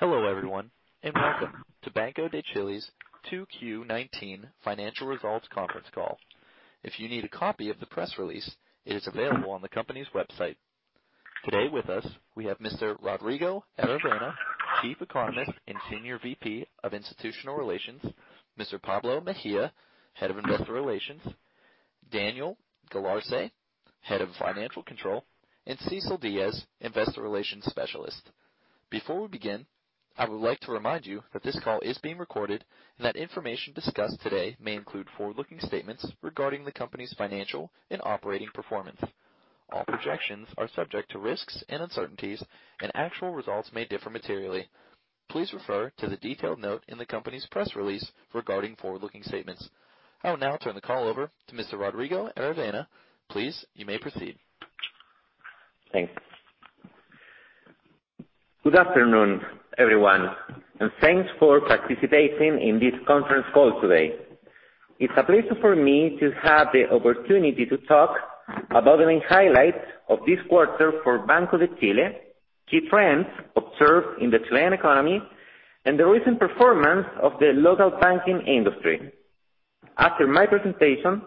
Hello, everyone, and welcome to Banco de Chile's 2Q 2019 financial results conference call. If you need a copy of the press release, it is available on the company's website. Today with us, we have Mr. Rodrigo Aravena, Chief Economist and Senior VP of Institutional Relations, Mr. Pablo Mejia, Head of Investor Relations, Daniel Galarce, Head of Financial Control, and Cecil Díaz, Investor Relations Specialist. Before we begin, I would like to remind you that this call is being recorded and that information discussed today may include forward-looking statements regarding the company's financial and operating performance. All projections are subject to risks and uncertainties, and actual results may differ materially. Please refer to the detailed note in the company's press release regarding forward-looking statements. I will now turn the call over to Mr. Rodrigo Aravena. Please, you may proceed. Thanks. Good afternoon, everyone, thanks for participating in this conference call today. It's a pleasure for me to have the opportunity to talk about the main highlights of this quarter for Banco de Chile, key trends observed in the Chilean economy, and the recent performance of the local banking industry. After my presentation,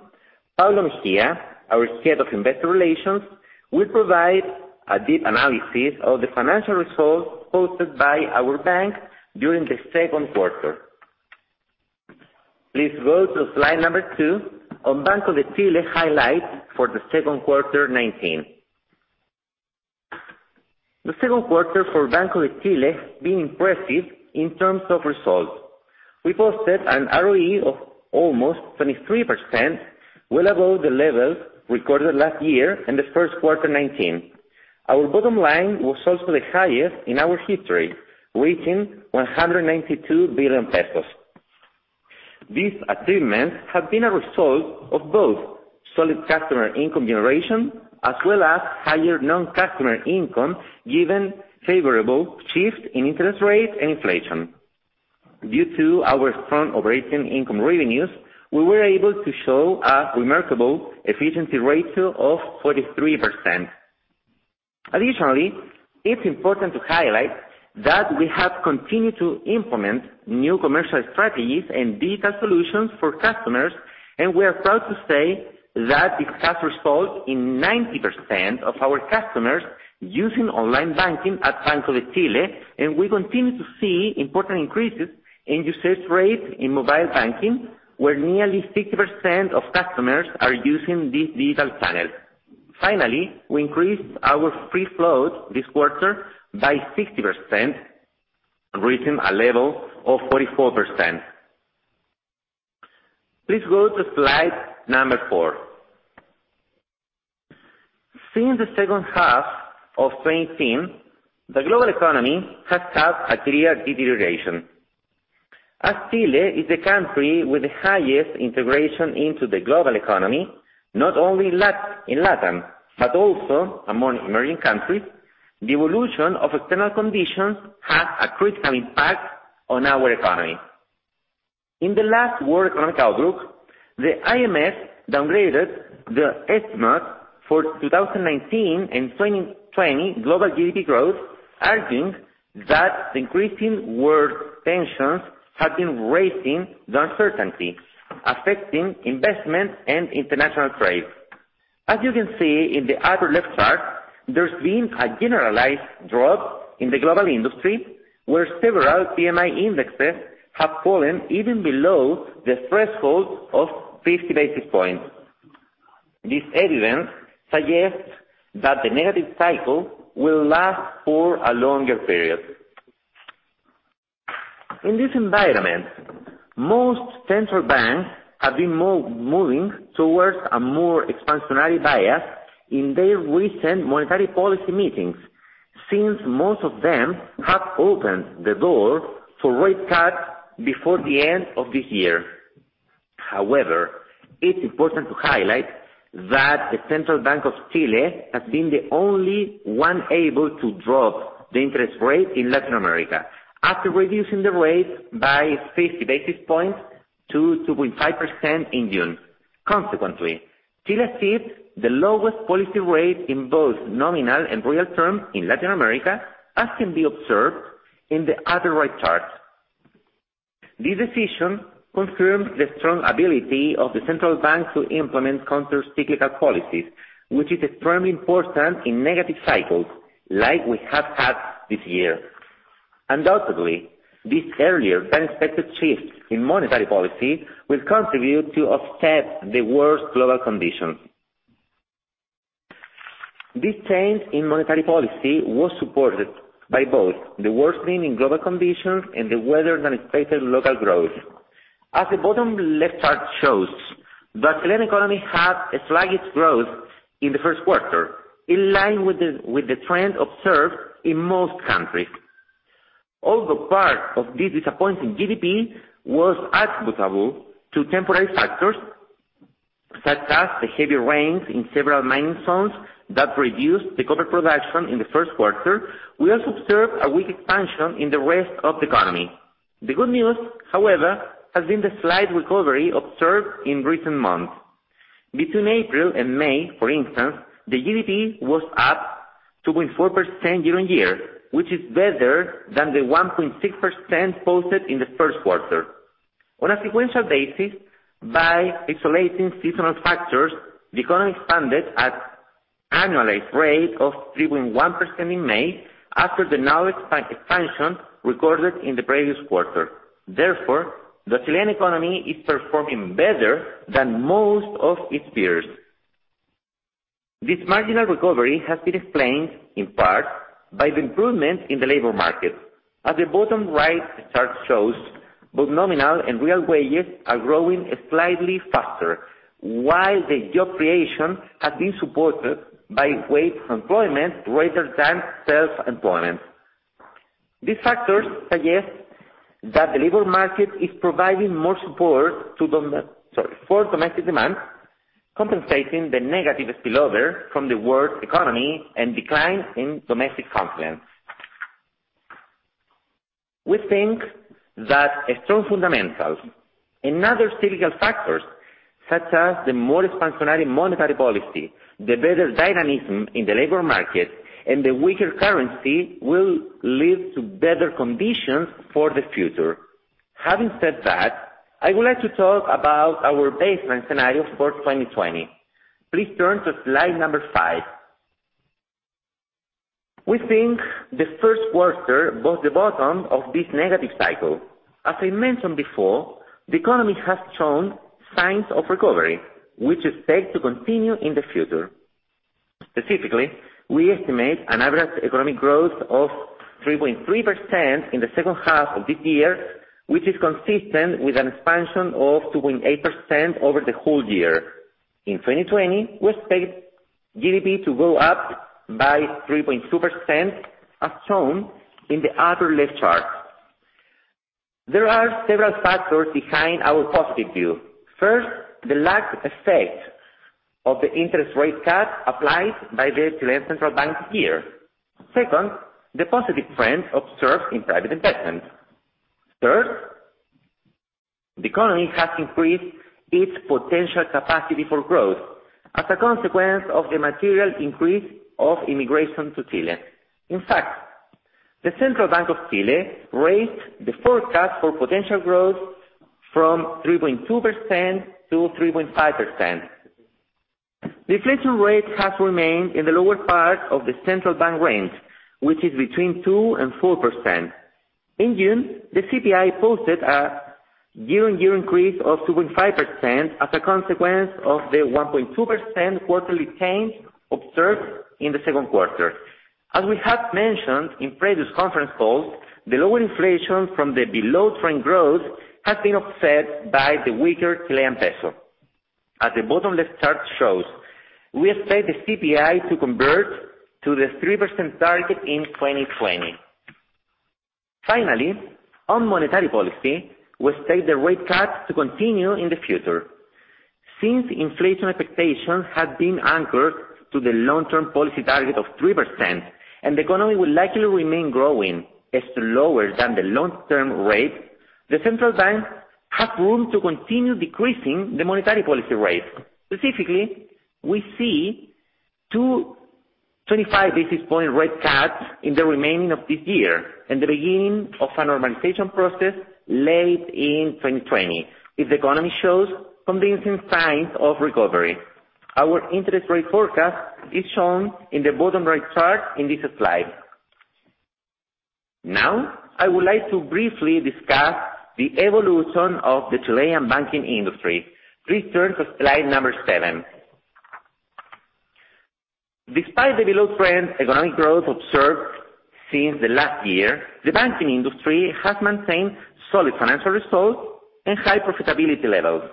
Pablo Mejia, our head of investor relations, will provide a deep analysis of the financial results posted by our bank during the second quarter. Please go to slide number two on Banco de Chile highlights for the second quarter 2019. The second quarter for Banco de Chile has been impressive in terms of results. We posted an ROE of almost 23%, well above the level recorded last year in the first quarter 2019. Our bottom line was also the highest in our history, reaching 192 billion pesos. These achievements have been a result of both solid customer income generation as well as higher non-customer income, given favorable shifts in interest rate and inflation. Due to our strong operating income revenues, we were able to show a remarkable efficiency ratio of 43%. Additionally, it's important to highlight that we have continued to implement new commercial strategies and digital solutions for customers, and we are proud to say that this has resulted in 90% of our customers using online banking at Banco de Chile, and we continue to see important increases in usage rates in mobile banking, where nearly 60% of customers are using this digital channel. Finally, we increased our free float this quarter by 60%, reaching a level of 44%. Please go to slide number four. Since the second half of 2018, the global economy has had a clear deterioration. As Chile is the country with the highest integration into the global economy, not only in Latin but also among emerging countries, the evolution of external conditions has a critical impact on our economy. In the last World Economic Outlook, the IMF downgraded the estimate for 2019 and 2020 global GDP growth, arguing that the increasing world tensions have been raising the uncertainty, affecting investment and international trade. As you can see in the upper left chart, there's been a generalized drop in the global industry, where several PMI indexes have fallen even below the threshold of 50 basis points. This evidence suggests that the negative cycle will last for a longer period. In this environment, most central banks have been moving towards a more expansionary bias in their recent monetary policy meetings since most of them have opened the door for rate cuts before the end of the year. It's important to highlight that the Central Bank of Chile has been the only one able to drop the interest rate in Latin America after reducing the rate by 50 basis points to 2.5% in June. Consequently, Chile sees the lowest policy rate in both nominal and real terms in Latin America, as can be observed in the upper right chart. This decision confirms the strong ability of the central bank to implement counter-cyclical policies, which is extremely important in negative cycles like we have had this year. Undoubtedly, this earlier-than-expected shift in monetary policy will contribute to offset the worst global conditions. This change in monetary policy was supported by both the worsening in global conditions and the weaker-than-expected local growth. As the bottom left chart shows, the Chilean economy had a sluggish growth in the first quarter, in line with the trend observed in most countries. Although part of this disappointing GDP was attributable to temporary factors, such as the heavy rains in several mining zones that reduced the copper production in the first quarter, we also observed a weak expansion in the rest of the economy. The good news, however, has been the slight recovery observed in recent months. Between April and May, for instance, the GDP was up 2.4% year-on-year, which is better than the 1.6% posted in the first quarter. On a sequential basis, by isolating seasonal factors, the economy expanded at annualized rate of 3.1% in May after the expansion recorded in the previous quarter. Therefore, the Chilean economy is performing better than most of its peers. This marginal recovery has been explained, in part, by the improvement in the labor market. As the bottom right chart shows, both nominal and real wages are growing slightly faster, while the job creation has been supported by wage employment rather than self-employment. These factors suggest that the labor market is providing more support for domestic demand, compensating the negative spillover from the world economy and decline in domestic confidence. We think that strong fundamentals and other cyclical factors such as the more expansionary monetary policy, the better dynamism in the labor market, and the weaker currency will lead to better conditions for the future. Having said that, I would like to talk about our baseline scenario for 2020. Please turn to slide number five. We think the first quarter was the bottom of this negative cycle. As I mentioned before, the economy has shown signs of recovery, which is set to continue in the future. Specifically, we estimate an average economic growth of 3.3% in the second half of this year, which is consistent with an expansion of 2.8% over the whole year. In 2020, we expect GDP to go up by 3.2%, as shown in the upper left chart. There are several factors behind our positive view. First, the lagged effect of the interest rate cut applied by the Central Bank of Chile here. Second, the positive trend observed in private investment. Third, the economy has increased its potential capacity for growth as a consequence of the material increase of immigration to Chile. In fact, the Central Bank of Chile raised the forecast for potential growth from 3.2% to 3.5%. The inflation rate has remained in the lower part of the Central Bank of Chile range, which is between 2% and 4%. In June, the CPI posted a year-on-year increase of 2.5% as a consequence of the 1.2% quarterly change observed in the second quarter. As we have mentioned in previous conference calls, the lower inflation from the below-trend growth has been offset by the weaker Chilean peso. As the bottom left chart shows, we expect the CPI to convert to the 3% target in 2020. Finally, on monetary policy, we set the rate cut to continue in the future. Since inflation expectations have been anchored to the long-term policy target of 3%, and the economy will likely remain growing as slower than the long-term rate, the Central Bank have room to continue decreasing the monetary policy rate. Specifically, we see two 25 basis point rate cuts in the remaining of this year and the beginning of a normalization process late in 2020 if the economy shows convincing signs of recovery. Our interest rate forecast is shown in the bottom right chart in this slide. I would like to briefly discuss the evolution of the Chilean banking industry. Please turn to slide number seven. Despite the below-trend economic growth observed since the last year, the banking industry has maintained solid financial results and high profitability levels.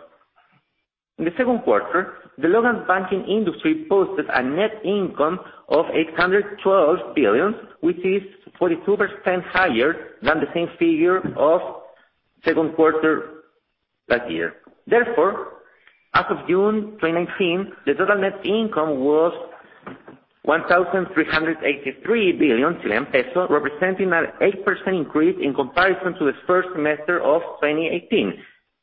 In the second quarter, the loans banking industry posted a net income of 812 billion, which is 42% higher than the same figure of second quarter last year. As of June 2019, the total net income was 1,383 billion Chilean pesos, representing an 8% increase in comparison to the first semester of 2018,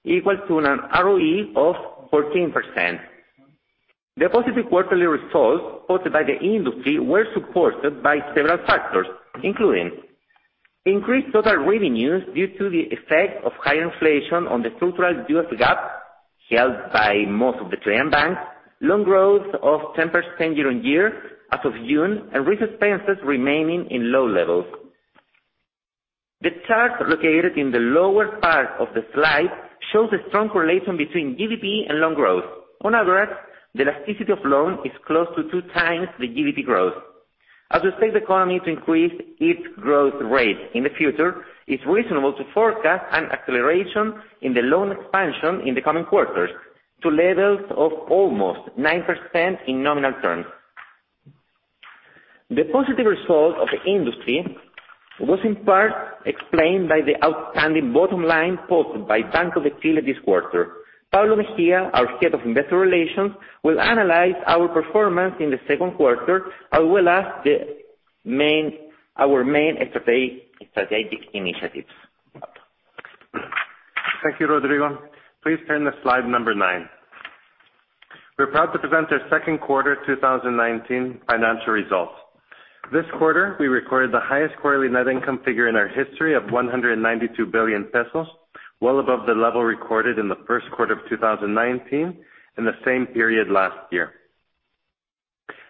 equal to an ROE of 14%. The positive quarterly results posted by the industry were supported by several factors, including increased total revenues due to the effect of higher inflation on the structural UF gap held by most of the Chilean banks, loan growth of 10% year-over-year as of June, and risk expenses remaining in low levels. The chart located in the lower part of the slide shows a strong correlation between GDP and loan growth. On average, the elasticity of loan is close to two times the GDP growth. As the state economy to increase its growth rate in the future, it's reasonable to forecast an acceleration in the loan expansion in the coming quarters to levels of almost 9% in nominal terms. The positive results of the industry was in part explained by the outstanding bottom line posted by Banco de Chile this quarter. Pablo Mejia, our Head of Investor Relations, will analyze our performance in the second quarter, as well as our main strategic initiatives. Thank you, Rodrigo. Please turn to slide number nine. We're proud to present our second quarter 2019 financial results. This quarter, we recorded the highest quarterly net income figure in our history of 192 billion pesos, well above the level recorded in the first quarter of 2019 and the same period last year.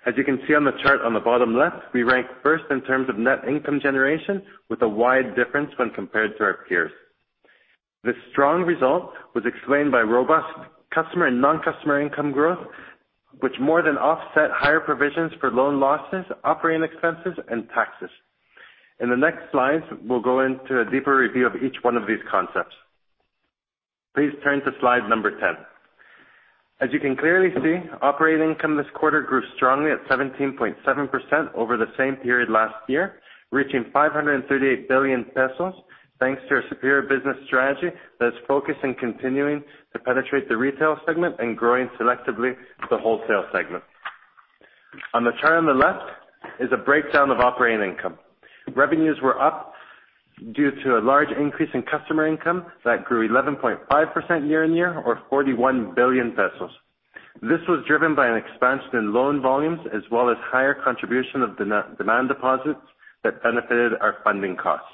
As you can see on the chart on the bottom left, we rank first in terms of net income generation with a wide difference when compared to our peers. This strong result was explained by robust customer and non-customer income growth, which more than offset higher provisions for loan losses, operating expenses, and taxes. In the next slides, we'll go into a deeper review of each one of these concepts. Please turn to slide number 10. As you can clearly see, operating income this quarter grew strongly at 17.7% over the same period last year, reaching 538 billion pesos, thanks to our superior business strategy that is focused on continuing to penetrate the retail segment and growing selectively the wholesale segment. On the chart on the left is a breakdown of operating income. Revenues were up due to a large increase in customer income that grew 11.5% year-on-year or 41 billion pesos. This was driven by an expansion in loan volumes as well as higher contribution of demand deposits that benefited our funding costs.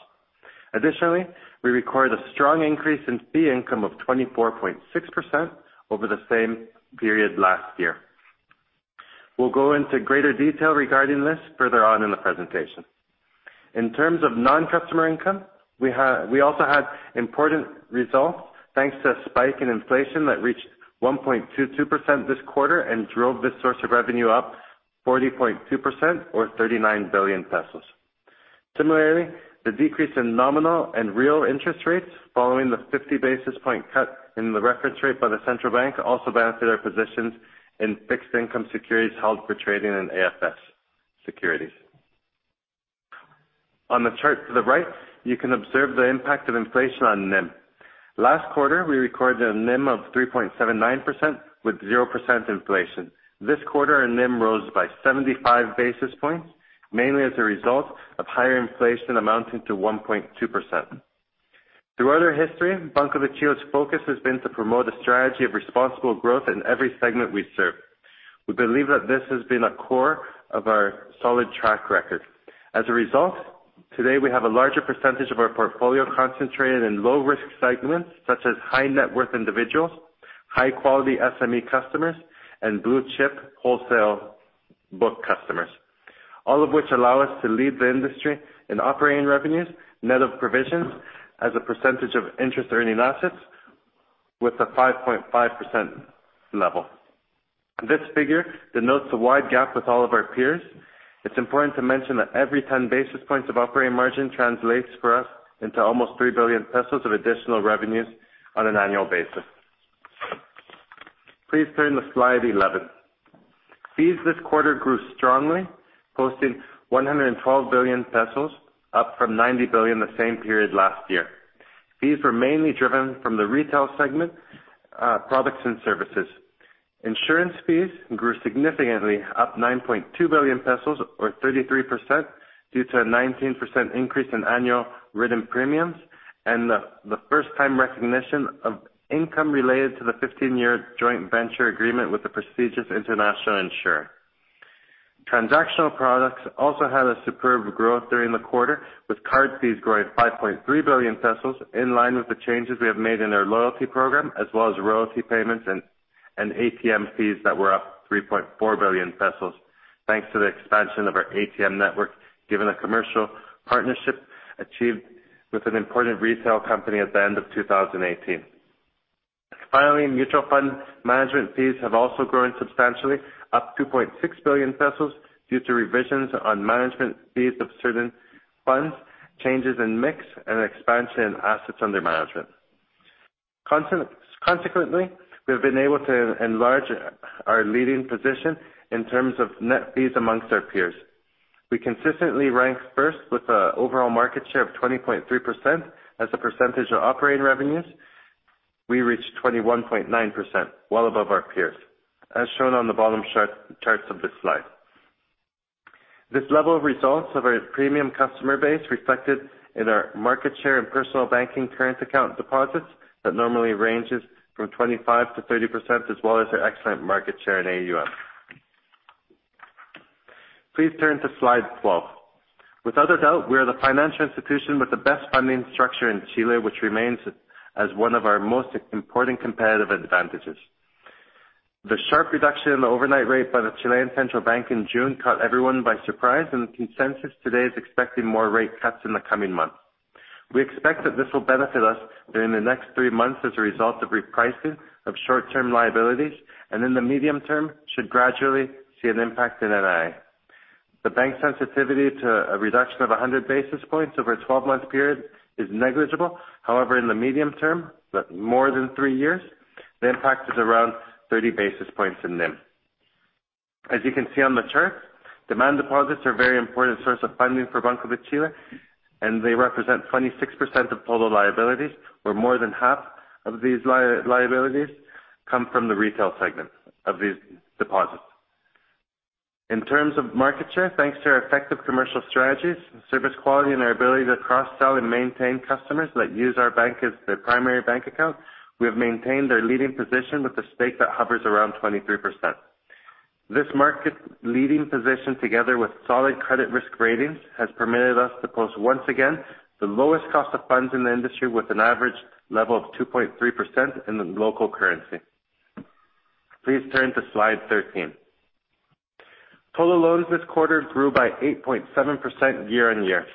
Additionally, we recorded a strong increase in fee income of 24.6% over the same period last year. We'll go into greater detail regarding this further on in the presentation. In terms of non-customer income, we also had important results thanks to a spike in inflation that reached 1.22% this quarter and drove this source of revenue up 40.2% or 39 billion pesos. The decrease in nominal and real interest rates following the 50 basis point cut in the reference rate by the Central Bank also benefited our positions in fixed income securities held for trading and AFS securities. On the chart to the right, you can observe the impact of inflation on NIM. Last quarter, we recorded a NIM of 3.79% with 0% inflation. This quarter, our NIM rose by 75 basis points, mainly as a result of higher inflation amounting to 1.2%. Throughout our history, Banco de Chile's focus has been to promote a strategy of responsible growth in every segment we serve. We believe that this has been a core of our solid track record. As a result, today we have a larger percentage of our portfolio concentrated in low-risk segments such as high-net-worth individuals, high-quality SME customers, and blue-chip wholesale book customers. All of which allow us to lead the industry in operating revenues, net of provisions as a percentage of interest-earning assets with a 5.5% level. This figure denotes a wide gap with all of our peers. It's important to mention that every 10 basis points of operating margin translates for us into almost 3 billion pesos of additional revenues on an annual basis. Please turn to slide 11. Fees this quarter grew strongly, posting 112 billion pesos, up from 90 billion the same period last year. Fees were mainly driven from the retail segment, products, and services. Insurance fees grew significantly, up 9.2 billion pesos or 33% due to a 19% increase in annual written premiums and the first-time recognition of income related to the 15-year joint venture agreement with the prestigious international insurer. Transactional products also had a superb growth during the quarter, with card fees growing 5.3 billion pesos in line with the changes we have made in our loyalty program as well as royalty payments and ATM fees that were up 3.4 billion pesos, thanks to the expansion of our ATM network given a commercial partnership achieved with an important retail company at the end of 2018. Finally, mutual fund management fees have also grown substantially, up 2.6 billion pesos due to revisions on management fees of certain funds, changes in mix, and expansion in assets under management. Consequently, we have been able to enlarge our leading position in terms of net fees amongst our peers. We consistently rank first with an overall market share of 20.3% as a percentage of operating revenues. We reached 21.9%, well above our peers, as shown on the bottom charts of this slide. This level of results of our premium customer base reflected in our market share in personal banking current account deposits that normally ranges from 25%-30%, as well as our excellent market share in AUM. Please turn to slide 12. Without a doubt, we are the financial institution with the best funding structure in Chile, which remains as one of our most important competitive advantages. The sharp reduction in the overnight rate by the Central Bank of Chile in June caught everyone by surprise, and the consensus today is expecting more rate cuts in the coming months. We expect that this will benefit us during the next three months as a result of repricing of short-term liabilities, and in the medium term should gradually see an impact in NIM. The bank sensitivity to a reduction of 100 basis points over a 12-month period is negligible. However, in the medium term, more than three years, the impact is around 30 basis points in NIM. As you can see on the chart, demand deposits are very important source of funding for Banco de Chile, and they represent 26% of total liabilities, where more than half of these liabilities come from the retail segment of these deposits. In terms of market share, thanks to our effective commercial strategies, service quality, and our ability to cross-sell and maintain customers that use our bank as their primary bank account, we have maintained our leading position with a stake that hovers around 23%. This market leading position, together with solid credit risk ratings, has permitted us to post, once again, the lowest cost of funds in the industry, with an average level of 2.3% in the local currency. Please turn to slide 13. Total loans this quarter grew by 8.7% year-on-year.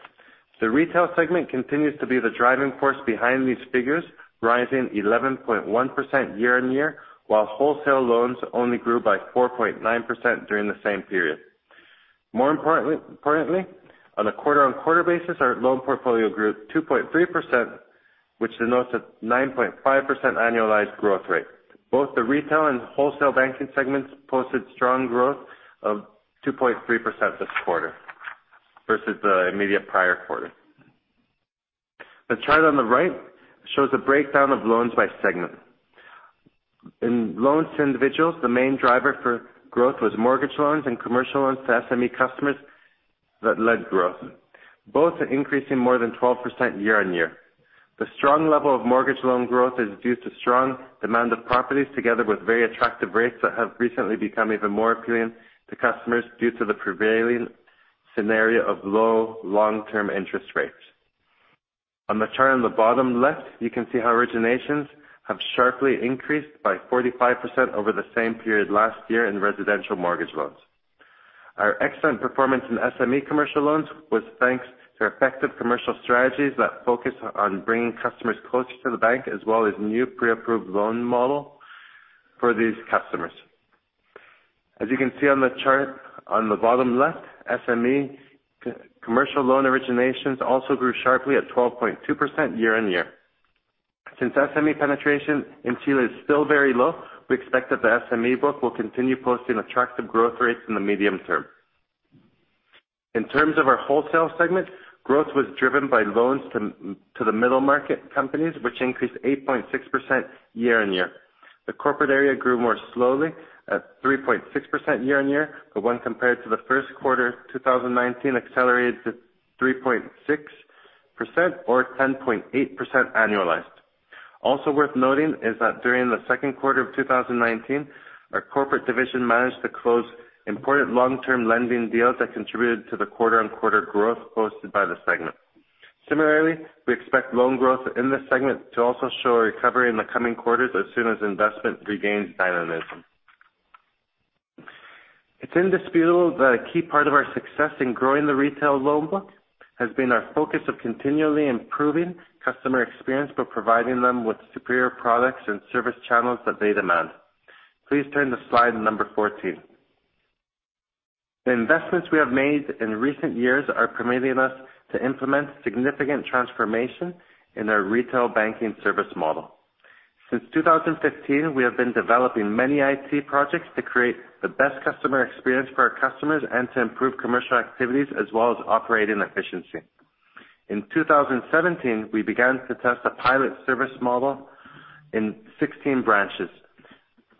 The retail segment continues to be the driving force behind these figures, rising 11.1% year-on-year, while wholesale loans only grew by 4.9% during the same period. More importantly, on a quarter-on-quarter basis, our loan portfolio grew 2.3%, which denotes a 9.5% annualized growth rate. Both the retail and wholesale banking segments posted strong growth of 2.3% this quarter versus the immediate prior quarter. The chart on the right shows a breakdown of loans by segment. In loans to individuals, the main driver for growth was mortgage loans and commercial loans to SME customers that led growth. Both are increasing more than 12% year-on-year. The strong level of mortgage loan growth is due to strong demand of properties, together with very attractive rates that have recently become even more appealing to customers due to the prevailing scenario of low long-term interest rates. On the chart on the bottom left, you can see how originations have sharply increased by 45% over the same period last year in residential mortgage loans. Our excellent performance in SME commercial loans was thanks to our effective commercial strategies that focus on bringing customers closer to the bank, as well as new pre-approved loan model for these customers. As you can see on the chart on the bottom left, SME commercial loan originations also grew sharply at 12.2% year-on-year. Since SME penetration in Chile is still very low, we expect that the SME book will continue posting attractive growth rates in the medium term. In terms of our wholesale segment, growth was driven by loans to the middle market companies, which increased 8.6% year-on-year. The corporate area grew more slowly at 3.6% year-on-year, but when compared to the first quarter 2019, accelerated to 3.6% or 10.8% annualized. Also worth noting is that during the second quarter of 2019, our corporate division managed to close important long-term lending deals that contributed to the quarter-on-quarter growth posted by the segment. Similarly, we expect loan growth in this segment to also show a recovery in the coming quarters as soon as investment regains dynamism. It's indisputable that a key part of our success in growing the retail loan book has been our focus of continually improving customer experience by providing them with superior products and service channels that they demand. Please turn to slide number 14. The investments we have made in recent years are permitting us to implement significant transformation in our retail banking service model. Since 2015, we have been developing many IT projects to create the best customer experience for our customers and to improve commercial activities as well as operating efficiency. In 2017, we began to test a pilot service model in 16 branches.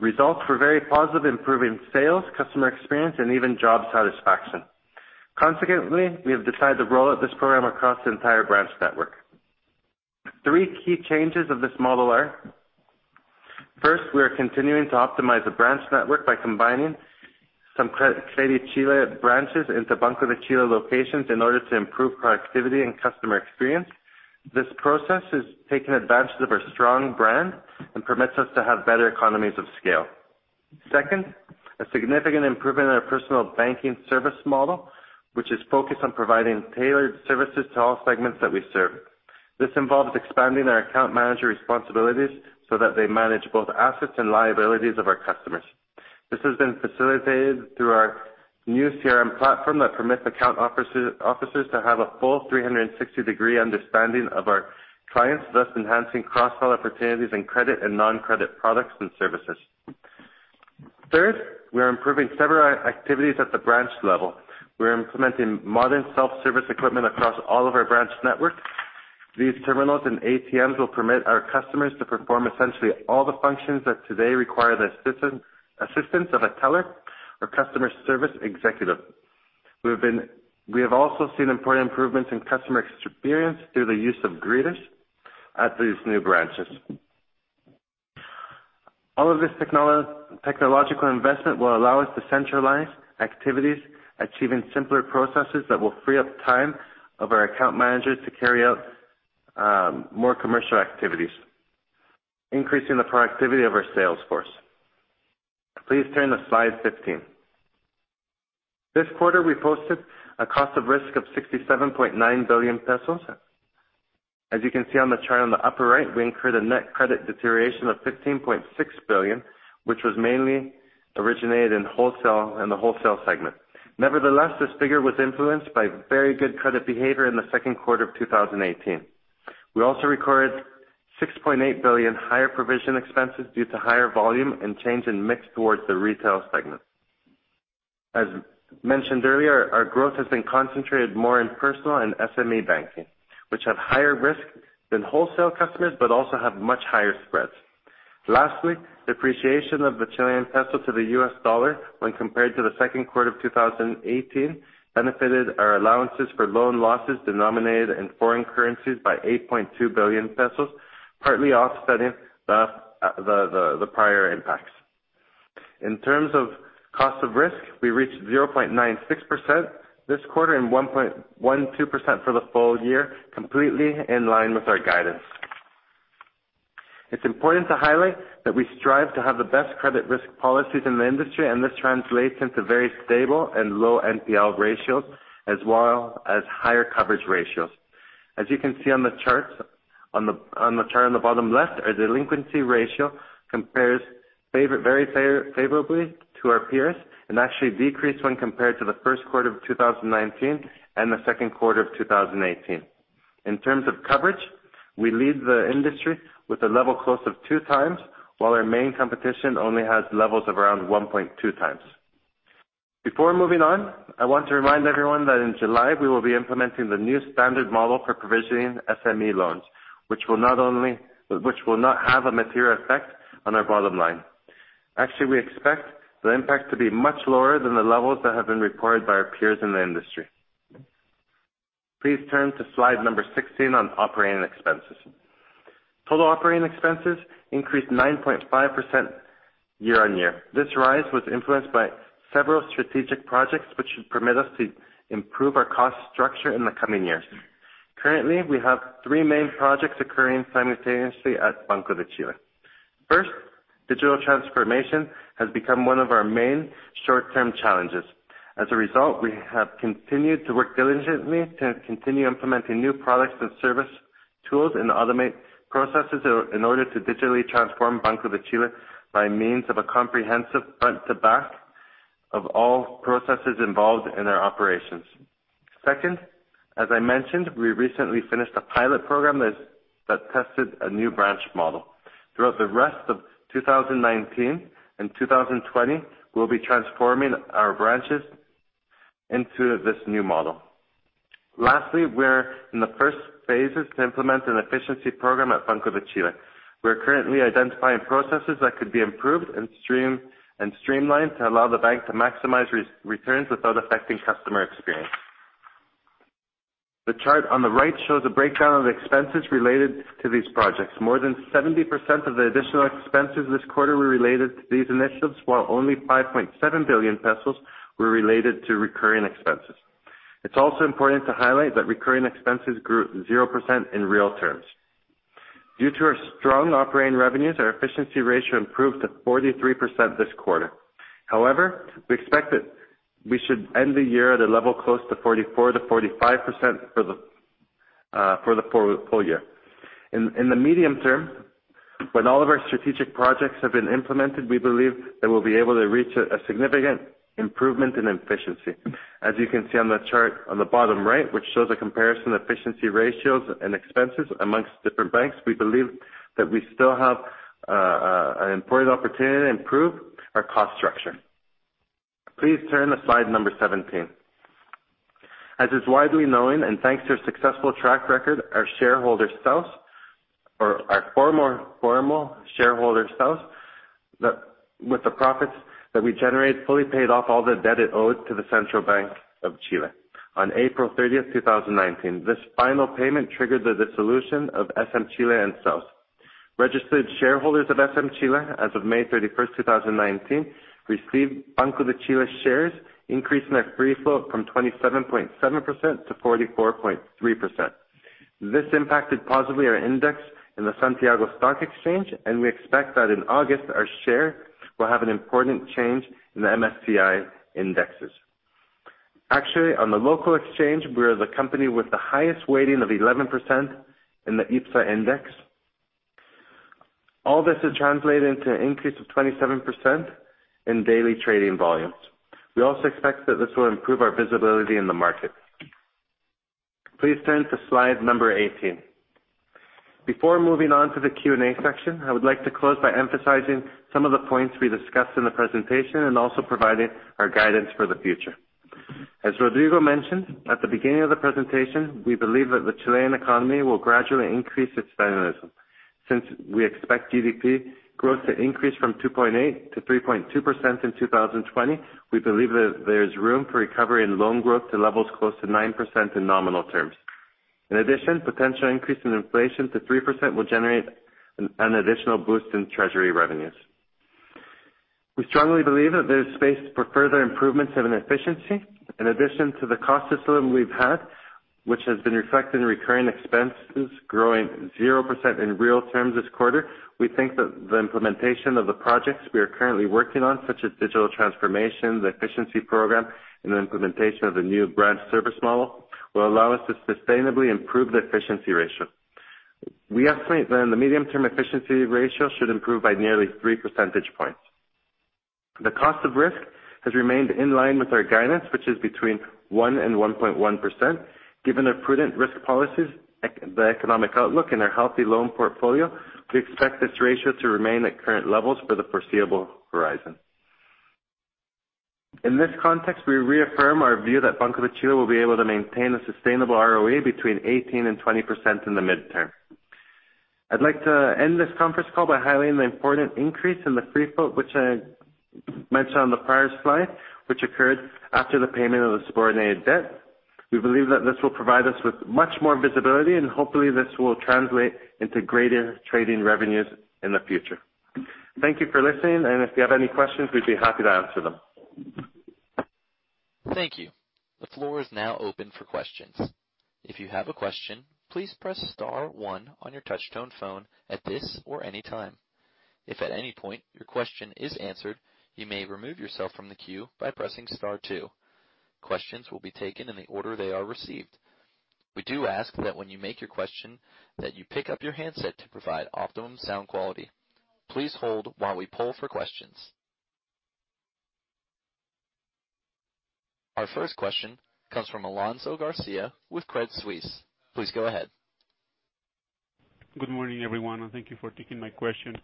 Results were very positive, improving sales, customer experience, and even job satisfaction. Consequently, we have decided to roll out this program across the entire branch network. Three key changes of this model are, first, we are continuing to optimize the branch network by combining some CrediChile branches into Banco de Chile locations in order to improve productivity and customer experience. This process is taking advantage of our strong brand and permits us to have better economies of scale. Second, a significant improvement in our personal banking service model, which is focused on providing tailored services to all segments that we serve. This involves expanding our account manager responsibilities so that they manage both assets and liabilities of our customers. This has been facilitated through our new CRM platform that permits account officers to have a full 360-degree understanding of our clients, thus enhancing cross-sell opportunities in credit and non-credit products and services. Third, we are improving several activities at the branch level. We are implementing modern self-service equipment across all of our branch networks. These terminals and ATMs will permit our customers to perform essentially all the functions that today require the assistance of a teller or customer service executive. We have also seen important improvements in customer experience through the use of greeters at these new branches. All of this technological investment will allow us to centralize activities, achieving simpler processes that will free up time of our account managers to carry out more commercial activities, increasing the productivity of our sales force. Please turn to slide 15. This quarter, we posted a cost of risk of 67.9 billion pesos. As you can see on the chart on the upper right, we incurred a net credit deterioration of 15.6 billion, which was mainly originated in the wholesale segment. This figure was influenced by very good credit behavior in the second quarter of 2018. We also recorded 6.8 billion higher provision expenses due to higher volume and change in mix towards the retail segment. As mentioned earlier, our growth has been concentrated more in personal and SME banking, which have higher risk than wholesale customers but also have much higher spreads. Lastly, depreciation of the Chilean peso to the US dollar when compared to the second quarter of 2018 benefited our allowances for loan losses denominated in foreign currencies by 8.2 billion pesos, partly offsetting the prior impacts. In terms of cost of risk, we reached 0.96% this quarter and 1.12% for the full year, completely in line with our guidance. It's important to highlight that we strive to have the best credit risk policies in the industry, and this translates into very stable and low NPL ratios, as well as higher coverage ratios. As you can see on the chart on the bottom left, our delinquency ratio compares very favorably to our peers and actually decreased when compared to the first quarter of 2019 and the second quarter of 2018. In terms of coverage, we lead the industry with a level close of 2x, while our main competition only has levels of around 1.2x. Before moving on, I want to remind everyone that in July, we will be implementing the new standard model for provisioning SME loans, which will not have a material effect on our bottom line. Actually, we expect the impact to be much lower than the levels that have been reported by our peers in the industry. Please turn to slide number 16 on operating expenses. Total operating expenses increased 9.5% year on year. This rise was influenced by several strategic projects, which should permit us to improve our cost structure in the coming years. Currently, we have three main projects occurring simultaneously at Banco de Chile. First, digital transformation has become one of our main short-term challenges. As a result, we have continued to work diligently to continue implementing new products and service tools and automate processes in order to digitally transform Banco de Chile by means of a comprehensive front to back of all processes involved in our operations. Second, as I mentioned, we recently finished a pilot program that tested a new branch model. Throughout the rest of 2019 and 2020, we will be transforming our branches into this new model. Lastly, we are in the first phases to implement an efficiency program at Banco de Chile. We are currently identifying processes that could be improved and streamlined to allow the bank to maximize returns without affecting customer experience. The chart on the right shows a breakdown of expenses related to these projects. More than 70% of the additional expenses this quarter were related to these initiatives, while only 5.7 billion pesos were related to recurring expenses. It is also important to highlight that recurring expenses grew 0% in real terms. Due to our strong operating revenues, our efficiency ratio improved to 43% this quarter. However, we expect that we should end the year at a level close to 44%-45% for the full year. In the medium term, when all of our strategic projects have been implemented, we believe that we will be able to reach a significant improvement in efficiency. As you can see on the chart on the bottom right, which shows a comparison of efficiency ratios and expenses amongst different banks, we believe that we still have an important opportunity to improve our cost structure. Please turn to slide number 17. As is widely known, and thanks to our successful track record, our former shareholder, SAOS, with the profits that we generated, fully paid off all the debt it owed to the Central Bank of Chile on April 30, 2019. This final payment triggered the dissolution of SM-Chile and SAOS. Registered shareholders of SM-Chile as of May 31, 2019, received Banco de Chile shares, increasing our free float from 27.7% to 44.3%. This impacted positively our index in the Santiago Stock Exchange, and we expect that in August, our share will have an important change in the MSCI indexes. Actually, on the local exchange, we are the company with the highest weighting of 11% in the IPSA index. All this has translated into an increase of 27% in daily trading volumes. We also expect that this will improve our visibility in the market. Please turn to slide number 18. Before moving on to the Q&A section, I would like to close by emphasizing some of the points we discussed in the presentation and also providing our guidance for the future. As Rodrigo mentioned at the beginning of the presentation, we believe that the Chilean economy will gradually increase its dynamism. Since we expect GDP growth to increase from 2.8%-3.2% in 2020, we believe that there is room for recovery in loan growth to levels close to 9% in nominal terms. In addition, potential increase in inflation to 3% will generate an additional boost in treasury revenues. We strongly believe that there is space for further improvements in efficiency. In addition to the cost discipline we've had, which has been reflected in recurring expenses growing 0% in real terms this quarter, we think that the implementation of the projects we are currently working on, such as digital transformation, the efficiency program, and the implementation of the new branch service model, will allow us to sustainably improve the efficiency ratio. We estimate that in the medium term, efficiency ratio should improve by nearly three percentage points. The cost of risk has remained in line with our guidance, which is between 1% and 1.1%. Given our prudent risk policies, the economic outlook, and our healthy loan portfolio, we expect this ratio to remain at current levels for the foreseeable horizon. In this context, we reaffirm our view that Banco de Chile will be able to maintain a sustainable ROE between 18% and 20% in the midterm. I'd like to end this conference call by highlighting the important increase in the free float, which I mentioned on the prior slide, which occurred after the payment of the subordinated debt. We believe that this will provide us with much more visibility, and hopefully this will translate into greater trading revenues in the future. Thank you for listening. If you have any questions, we'd be happy to answer them. Thank you. The floor is now open for questions. If you have a question, please press star one on your touch tone phone at this or any time. If at any point your question is answered, you may remove yourself from the queue by pressing star two. Questions will be taken in the order they are received. We do ask that when you make your question, that you pick up your handset to provide optimum sound quality. Please hold while we poll for questions. Our first question comes from Alonso Garcia with Credit Suisse. Please go ahead. Good morning, everyone, and thank you for taking my question.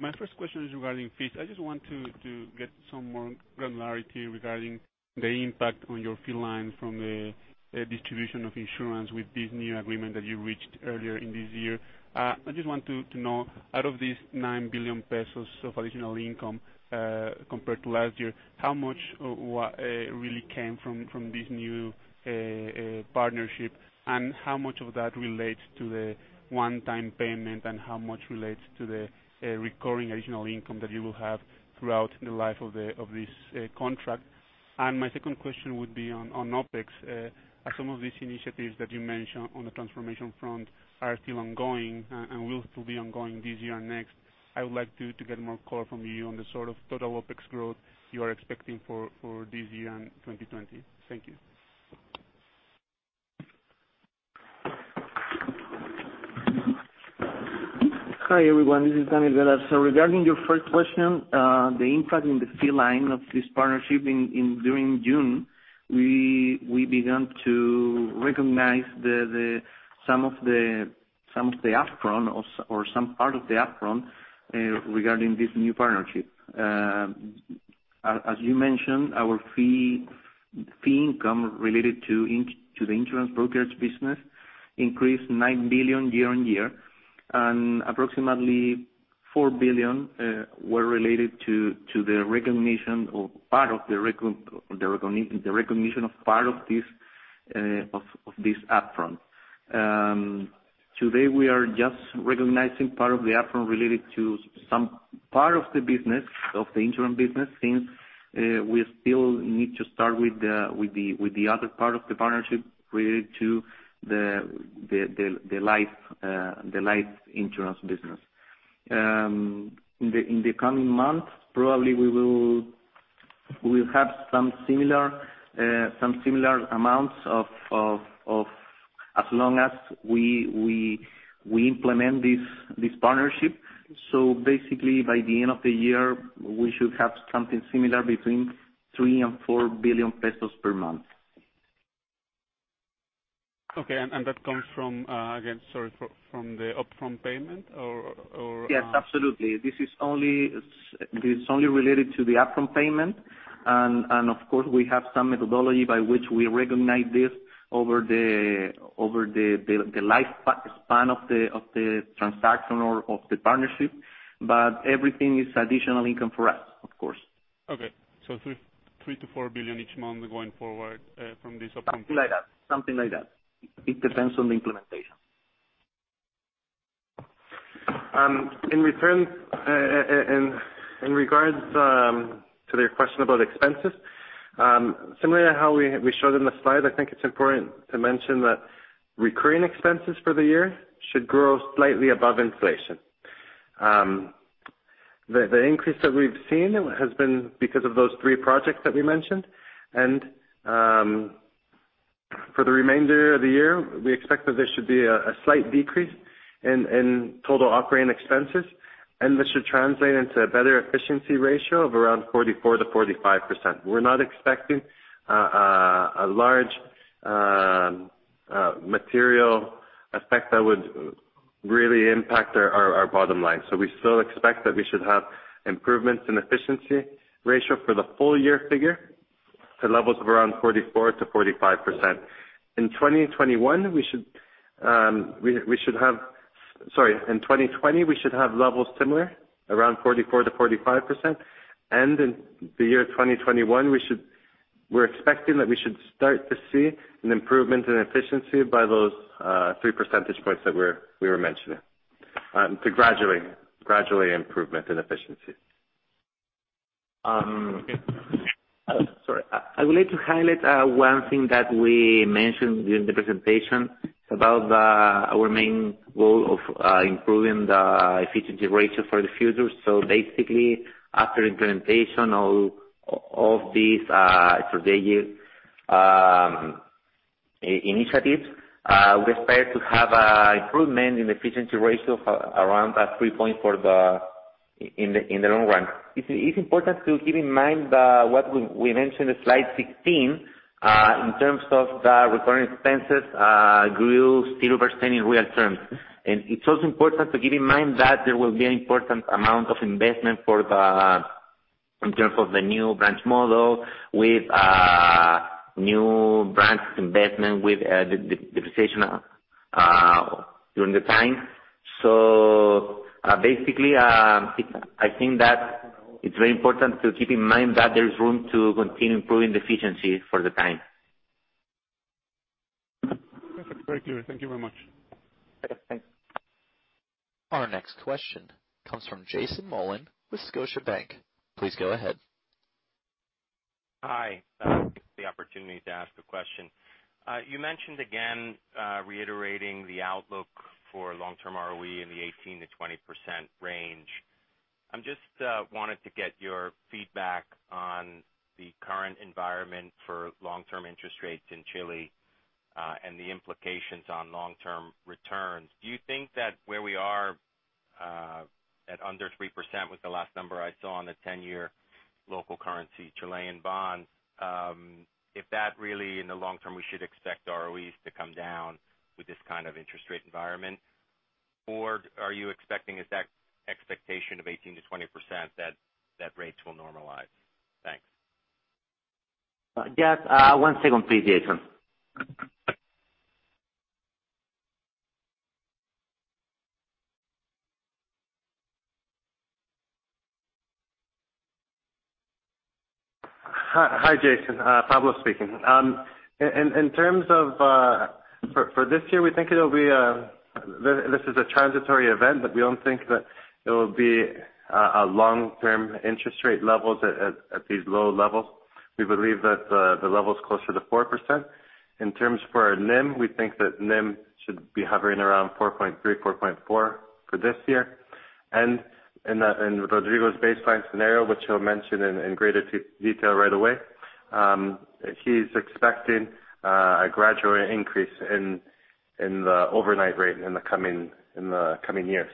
My first question is regarding fees. I just want to get some more granularity regarding the impact on your fee line from the distribution of insurance with this new agreement that you reached earlier in this year. I just want to know, out of these 9 billion pesos of additional income, compared to last year, how much really came from this new partnership? How much of that relates to the one-time payment, and how much relates to the recurring additional income that you will have throughout the life of this contract? My second question would be on OpEx. As some of these initiatives that you mentioned on the transformation front are still ongoing and will still be ongoing this year and next, I would like to get more color from you on the sort of total OpEx growth you are expecting for this year and 2020. Thank you. Hi, everyone. This is Daniel Galarce. Regarding your first question, the impact in the fee line of this partnership during June, we began to recognize some of the upfront or some part of the upfront regarding this new partnership. As you mentioned, our fee income related to the insurance brokerage business increased 9 billion year-on-year, and approximately 4 billion were related to the recognition of part of this upfront. Today, we are just recognizing part of the upfront related to some part of the business, of the insurance business, since we still need to start with the other part of the partnership related to the life insurance business. In the coming months, probably we will have some similar amounts as long as we implement this partnership. Basically, by the end of the year, we should have something similar between 3 billion and 4 billion pesos per month. Okay. That comes from, again, sorry, from the upfront payment? Yes, absolutely. This is only related to the upfront payment. Of course, we have some methodology by which we recognize this over the lifespan of the transaction or of the partnership, but everything is additional income for us, of course. Okay. 3 billion-4 billion each month going forward from this upfront payment. Something like that. It depends on the implementation. In regards to the question about expenses, similarly to how we showed in the slide, I think it's important to mention that recurring expenses for the year should grow slightly above inflation. The increase that we've seen has been because of those three projects that we mentioned. For the remainder of the year, we expect that there should be a slight decrease in total operating expenses. This should translate into a better efficiency ratio of around 44%-45%. We're not expecting a large material effect that would really impact our bottom line. We still expect that we should have improvements in efficiency ratio for the full year figure to levels of around 44%-45%. In 2020, we should have levels similar, around 44%-45%. In the year 2021, we're expecting that we should start to see an improvement in efficiency by those three percentage points that we were mentioning. Gradually improvement in efficiency. Okay. Sorry. I would like to highlight one thing that we mentioned during the presentation about our main goal of improving the efficiency ratio for the future. Basically, after implementation of these strategic initiatives, we expect to have improvement in efficiency ratio of around three point in the long run. It's important to keep in mind what we mentioned in slide. In terms of the recurring expenses, grew 0% in real terms. It's also important to keep in mind that there will be an important amount of investment in terms of the new branch model, with new branch investment, with depreciation during the time. Basically, I think that it's very important to keep in mind that there is room to continue improving the efficiency for the time. Perfect. Very clear. Thank you very much. Okay, thanks. Our next question comes from Jason Mollin with Scotiabank. Please go ahead. Hi. Thanks for the opportunity to ask a question. You mentioned again, reiterating the outlook for long-term ROE in the 18%-20% range. I just wanted to get your feedback on the current environment for long-term interest rates in Chile, and the implications on long-term returns. Do you think that where we are, at under 3%, was the last number I saw on the 10-year local currency Chilean bond, if that really, in the long term, we should expect ROEs to come down with this kind of interest rate environment? Are you expecting as that expectation of 18%-20% that rates will normalize? Thanks. Yes. One second please, Jason. Hi, Jason. Pablo speaking. For this year, we think this is a transitory event, but we don't think that it will be a long-term interest rate levels at these low levels. We believe that the level is closer to 4%. In terms for our NIM, we think that NIM should be hovering around 4.3%, 4.4% for this year. In Rodrigo's baseline scenario, which he'll mention in greater detail right away, he's expecting a gradual increase in the overnight rate in the coming years.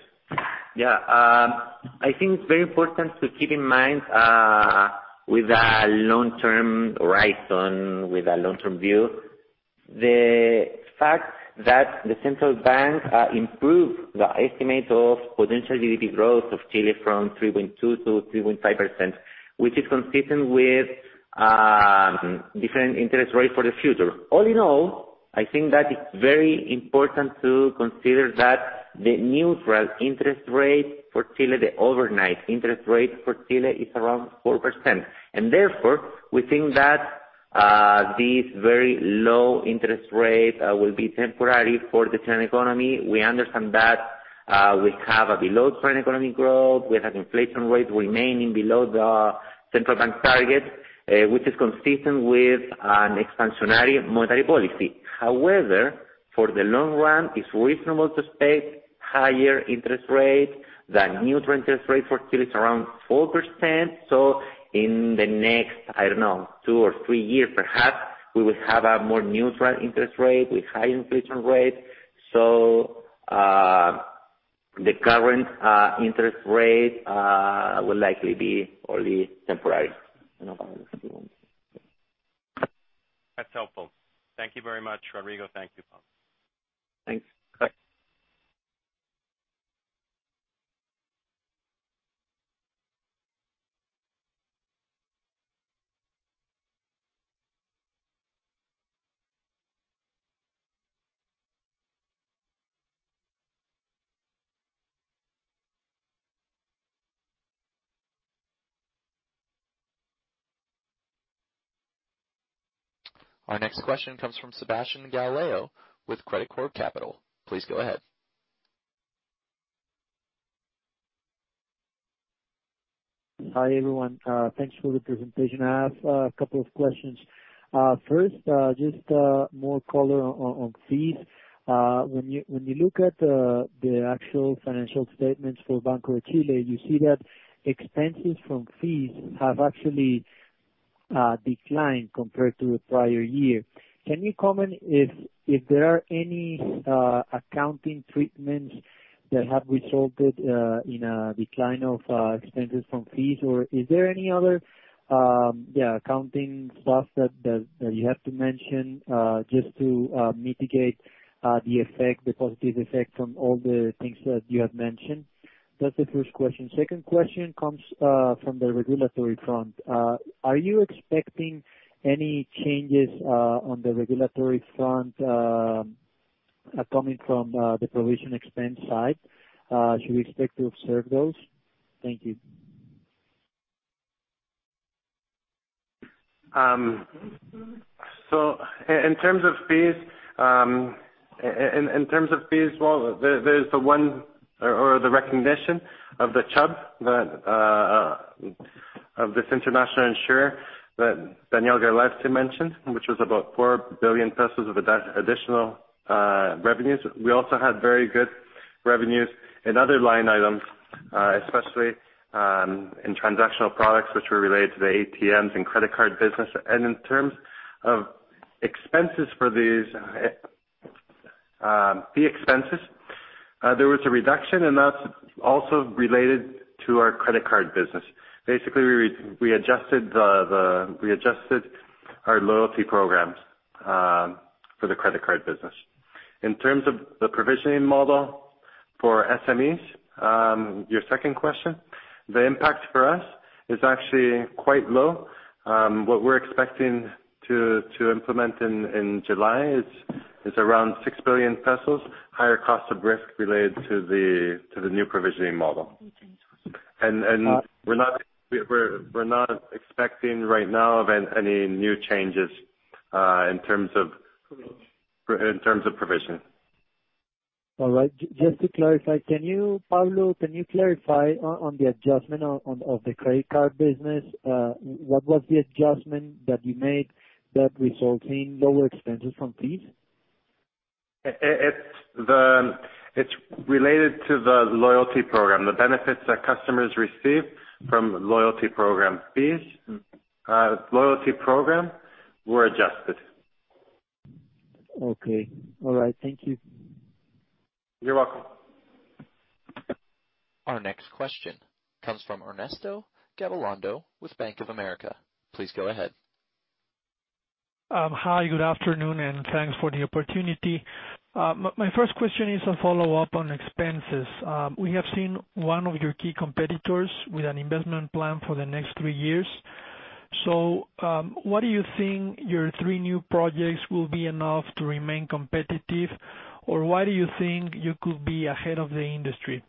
Yeah. I think it's very important to keep in mind with a long-term horizon, with a long-term view, the fact that the Central Bank improved the estimate of potential GDP growth of Chile from 3.2% to 3.5%, which is consistent with different interest rates for the future. All in all, I think that it's very important to consider that the neutral interest rate for Chile, the overnight interest rate for Chile, is around 4%. Therefore, we think that this very low interest rate will be temporary for the Chilean economy. We understand that we have a below current economic growth. We have inflation rates remaining below the Central Bank target, which is consistent with an expansionary monetary policy. However, for the long run, it's reasonable to expect higher interest rates. The neutral interest rate for Chile is around 4%. In the next, I don't know, two or three years, perhaps, we will have a more neutral interest rate with high inflation rates. The current interest rate will likely be only temporary. That's helpful. Thank you very much, Rodrigo. Thank you, Pablo. Thanks. Bye. Our next question comes from Sebastián Gallego with Credicorp Capital. Please go ahead. Hi, everyone. Thanks for the presentation. I have a couple of questions. First, just more color on fees. When you look at the actual financial statements for Banco de Chile, you see that expenses from fees have actually declined compared to the prior year. Can you comment if there are any accounting treatments that have resulted in a decline of expenses from fees, or is there any other accounting stuff that you have to mention, just to mitigate the positive effect from all the things that you have mentioned? That's the first question. Second question comes from the regulatory front. Are you expecting any changes on the regulatory front coming from the provision expense side? Should we expect to observe those? Thank you. In terms of fees, well, there's the one or the recognition of the Chubb, of this international insurer that Daniel Galarce mentioned, which was about 4 billion pesos of additional revenues. We also had very good revenues in other line items, especially in transactional products, which were related to the ATMs and credit card business. In terms of expenses for these fee expenses, there was a reduction, and that's also related to our credit card business. Basically, we adjusted our loyalty programs for the credit card business. In terms of the provisioning model for SMEs, your second question, the impact for us is actually quite low. What we're expecting to implement in July is around 6 billion pesos, higher cost of risk related to the new provisioning model. We're not expecting right now of any new changes in terms of- Provisioning in terms of provisioning. All right. Just to clarify, Pablo, can you clarify on the adjustment of the credit card business? What was the adjustment that you made that results in lower expenses from fees? It's related to the loyalty program, the benefits that customers receive from loyalty program fees. Loyalty program were adjusted. Okay. All right. Thank you. You're welcome. Our next question comes from Ernesto Gabilondo with Bank of America. Please go ahead. Hi, good afternoon. Thanks for the opportunity. My first question is a follow-up on expenses. We have seen one of your key competitors with an investment plan for the next 3 years. What do you think your 3 new projects will be enough to remain competitive? Why do you think you could be ahead of the industry?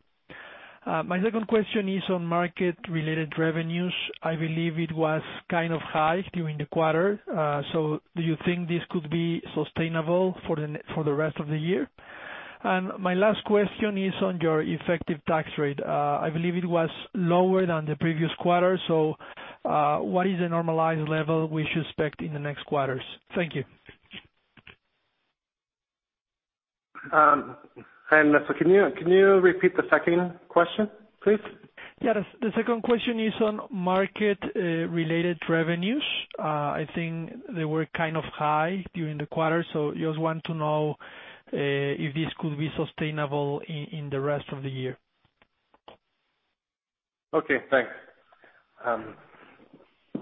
My second question is on market-related revenues. I believe it was kind of high during the quarter. Do you think this could be sustainable for the rest of the year? My last question is on your effective tax rate. I believe it was lower than the previous quarter. What is the normalized level we should expect in the next quarters? Thank you. Hi, Ernesto. Can you repeat the second question, please? Yeah. The second question is on market-related revenues. I think they were kind of high during the quarter, so just want to know, if this could be sustainable in the rest of the year. Okay, thanks.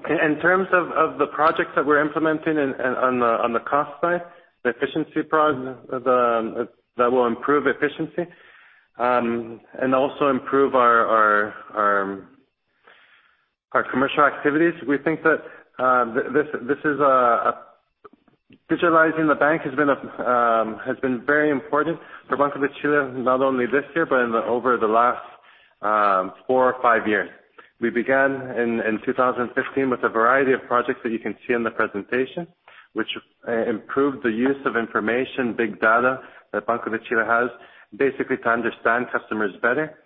In terms of the projects that we're implementing on the cost side, that will improve efficiency, and also improve our commercial activities. We think that digitalizing the bank has been very important for Banco de Chile, not only this year, but over the last four or five years. We began in 2015 with a variety of projects that you can see in the presentation, which improved the use of information, big data, that Banco de Chile has, basically to understand customers better.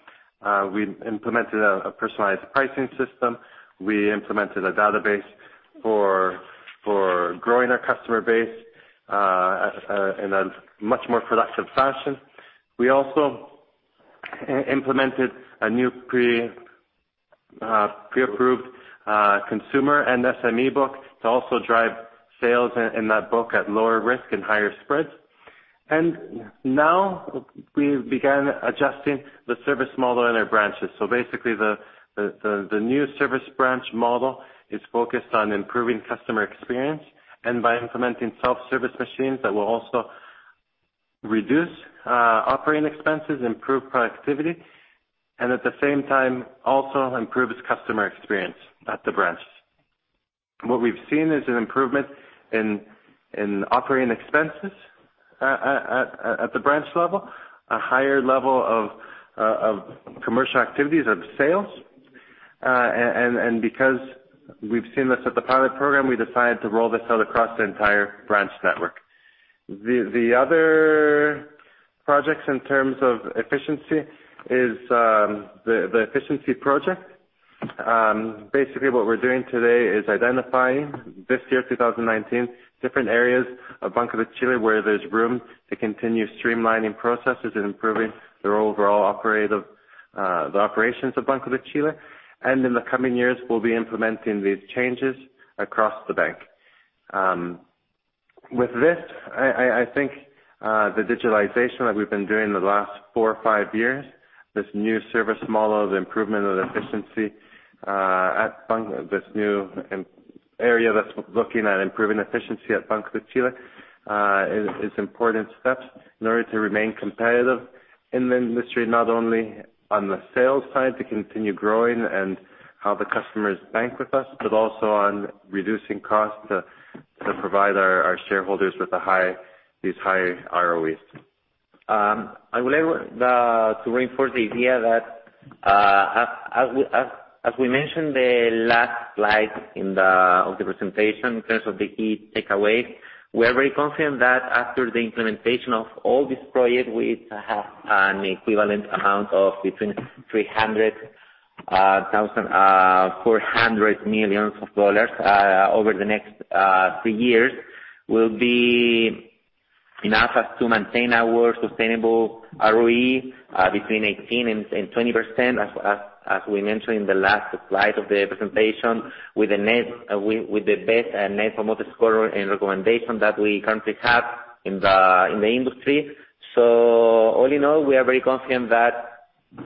We implemented a personalized pricing system. We implemented a database for growing our customer base in a much more productive fashion. We also implemented a new pre-approved consumer and SME book to also drive sales in that book at lower risk and higher spreads. Now we began adjusting the service model in our branches. Basically, the new service branch model is focused on improving customer experience and by implementing self-service machines that will also reduce operating expenses, improve productivity, and at the same time, also improves customer experience at the branch. What we've seen is an improvement in operating expenses at the branch level, a higher level of commercial activities of sales. Because we've seen this at the pilot program, we decided to roll this out across the entire branch network. The other projects in terms of efficiency is the efficiency project. Basically, what we're doing today is identifying, this year, 2019, different areas of Banco de Chile, where there's room to continue streamlining processes and improving the operations of Banco de Chile. In the coming years, we'll be implementing these changes across the bank. With this, I think, the digitalization that we've been doing the last four or five years, this new service model, the improvement of efficiency, this new area that's looking at improving efficiency at Banco de Chile, is important steps in order to remain competitive in the industry, not only on the sales side, to continue growing and how the customers bank with us, but also on reducing costs to provide our shareholders with these high ROEs. I would like to reinforce the idea that, as we mentioned the last slide of the presentation, in terms of the key takeaway, we are very confident that after the implementation of all these projects, we have an equivalent amount of between $300,000, $400 million over the next three years, will be enough to maintain our sustainable ROE, between 18%-20%, as we mentioned in the last slide of the presentation, with the best Net Promoter Score and recommendation that we currently have in the industry. All in all, we are very confident.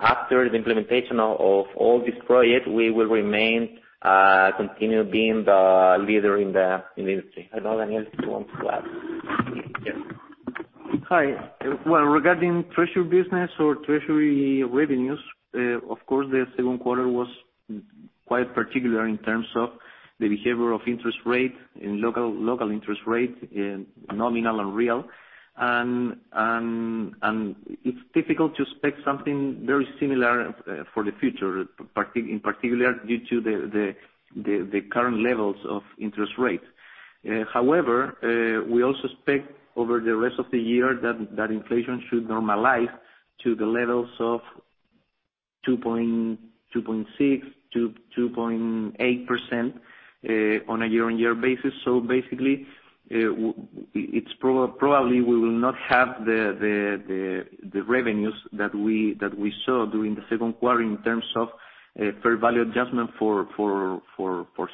After the implementation of all this project, we will remain, continue being the leader in the industry. I don't know, Daniel, if you want to add. Yes. Hi. Well, regarding treasury business or treasury revenues, of course, the second quarter was quite particular in terms of the behavior of interest rate and local interest rate in nominal and real. It's difficult to expect something very similar for the future, in particular due to the current levels of interest rates. However, we also expect over the rest of the year that inflation should normalize to the levels of 2.6%-2.8% on a year-on-year basis. Basically, it's probably we will not have the revenues that we saw during the second quarter in terms of fair value adjustment for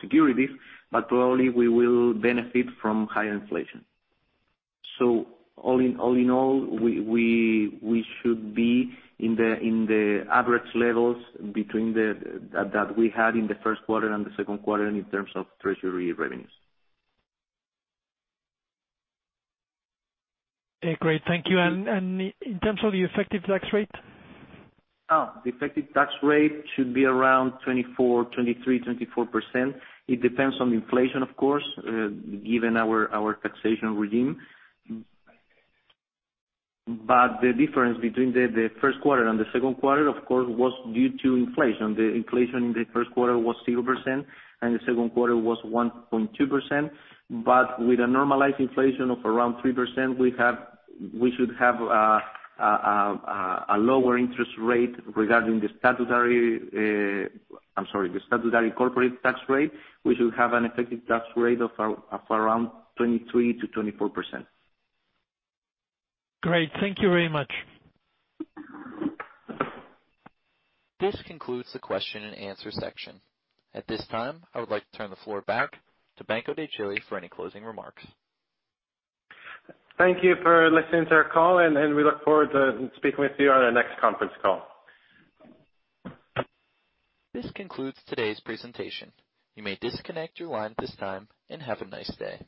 securities, but probably we will benefit from higher inflation. All in all, we should be in the average levels that we had in the first quarter and the second quarter in terms of treasury revenues. Great. Thank you. In terms of the effective tax rate? The effective tax rate should be around 23%-24%. It depends on inflation, of course, given our taxation regime. The difference between the first quarter and the second quarter, of course, was due to inflation. The inflation in the first quarter was 0%, and the second quarter was 1.2%. With a normalized inflation of around 3%, we should have a lower interest rate regarding the statutory I'm sorry, the statutory corporate tax rate. We should have an effective tax rate of around 23% to 24%. Great. Thank you very much. This concludes the question and answer section. At this time, I would like to turn the floor back to Banco de Chile for any closing remarks. Thank you for listening to our call, and we look forward to speaking with you on our next conference call. This concludes today's presentation. You may disconnect your line at this time, and have a nice day.